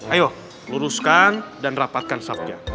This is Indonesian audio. ayo luruskan dan rapatkan sabja